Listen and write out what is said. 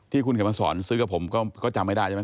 คุณเขียนมาสอนซื้อกับผมก็จำไม่ได้ใช่ไหม